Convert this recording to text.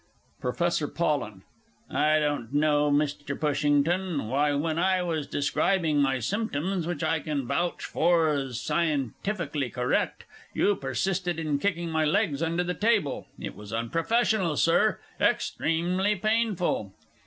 PROFESSOR POLLEN. I don't know, Mr. Pushington, why, when I was describing my symptoms which I can vouch for as scientifically correct you persisted in kicking my legs under the table it was unprofessional, Sir, and extremely painful!